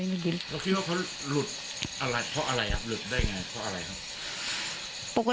แล้วคิดว่าเค้าหลุดเพราะอะไรครับหลุดได้ไงเพราะอะไรครับ